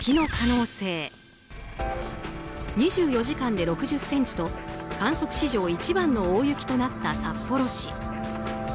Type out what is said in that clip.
２４時間で６０ｃｍと観測史上１番の大雪となった札幌市。